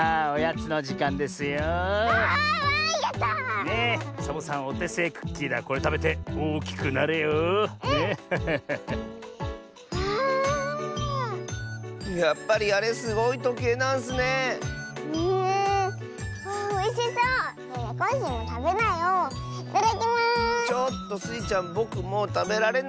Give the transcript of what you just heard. ちょっとスイちゃんぼくもうたべられないッスよ！